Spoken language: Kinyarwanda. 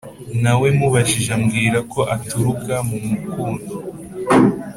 na we mubajije ambwira ko aturuka mu mukondo